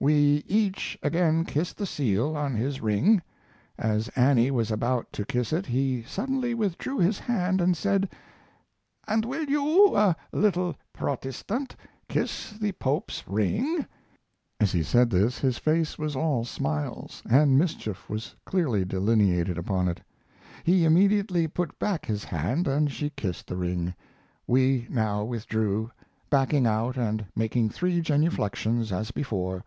We each again kissed the seal on his ring. As Annie was about to kiss it he suddenly withdrew his hand and said, "And will you, a little Protestant, kiss the Pope's ring?" As he said this, his face was all smiles, and mischief was clearly delineated upon it. He immediately put back his hand and she kissed the ring. We now withdrew, backing out and making three genuflexions as before.